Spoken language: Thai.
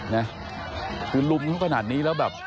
นะคือลุมเขาขนาดนี้แล้วแบบ